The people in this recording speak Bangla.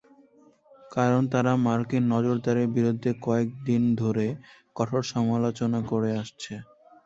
কারণ, তারা মার্কিন নজরদারির বিরুদ্ধে কয়েক দিন ধরে কঠোর সমালোচনা করে আসছে।